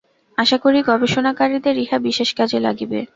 আশা করি গবেষণাকারীদের ইহা বিশেষ কাজে লাগিবে।